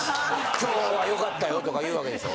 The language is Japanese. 「今日は良かったよ」とか言うわけでしょ？